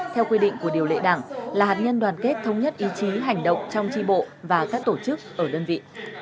theo quy định của điều lệ đảng là hạt nhân đoàn kết thống nhất ý chí hành động trong tri bộ và các tổ chức ở đơn vị